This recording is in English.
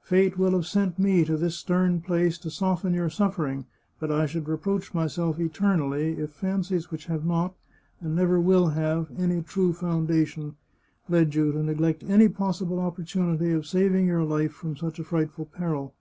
Fate will have sent me to this stern place to soften your suffer ing, but I should reproach myself eternally if fancies which have not, and never will have, any true foundation, led you to neglect any possible opportunity of saving your life from such a frightful peril.